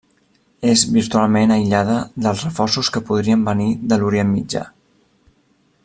És virtualment aïllada dels reforços que podrien venir de l'Orient Mitjà.